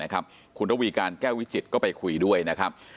คุณระวีการแก้ววิจิตรก็ไปคุยด้วยนะครับ